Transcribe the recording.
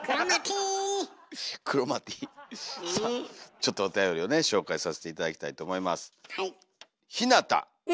ちょっとおたよりをね紹介させて頂きたいと思います。